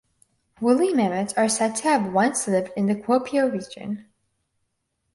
Woolly mammoths are said to have once lived in the Kuopio region.